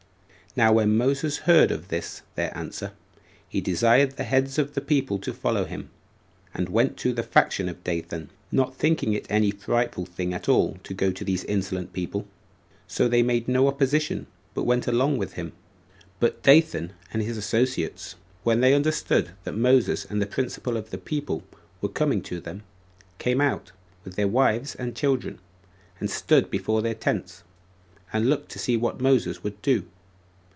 Now when Moses heard of this their answer, he desired the heads of the people to follow him, and he went to the faction of Dathan, not thinking it any frightful thing at all to go to these insolent people; so they made no opposition, but went along with him. But Dathan, and his associates, when they understood that Moses and the principal of the people were coming to them, came out, with their wives and children, and stood before their tents, and looked to see what Moses would do.